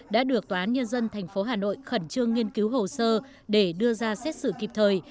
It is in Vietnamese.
đã được tòa án nhân dân tp hà nội khẩn trương nghiên cứu hồ sơ để đưa ra xét xử kịp thời